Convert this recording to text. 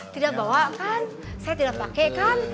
tidak bawa kan saya tidak pakai kan